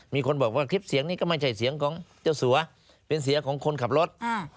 มีคนบอกว่าคลิปเสียงนี้ก็ไม่ใช่เสียงของเจ้าสัวเป็นเสียงของคนขับรถ